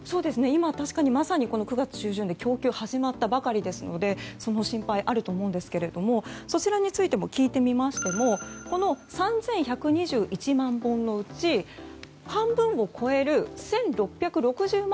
今、確かに９月中旬で供給が始まったばかりなのでその心配があると思うんですがそちらについて聞いてみましてもこの３１２１万本のうち半分を超える１６６０万